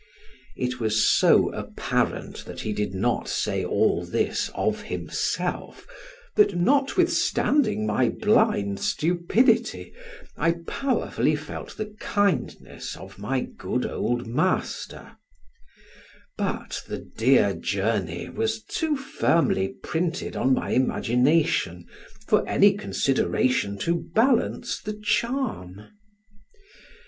It was so apparent that he did not say all this of himself, that notwithstanding my blind stupidity, I powerfully felt the kindness of my good old master, but the dear journey was too firmly printed on my imagination for any consideration to balance the charm.